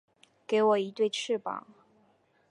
给我一对翅膀